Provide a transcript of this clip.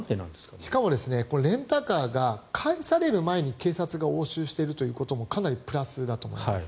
しかもレンタカーが返される前に警察が押収しているところもかなりプラスだと思います。